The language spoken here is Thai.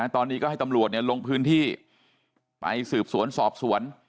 ตอนนี้ก็ให้ตำรวจลงพื้นที่ไปสืบสวนสอบสวน